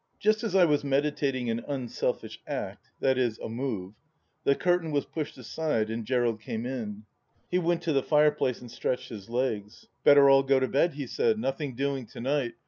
Just as I was meditating an unselfish act — ^viz. a move, the curtain was pushed aside and Gerald came in. He went to the fireplace and stretched his legs. " Better all go to bed !" he said. " Nothmg doing to night.